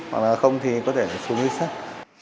hoặc là không thì có thể xuống đi sách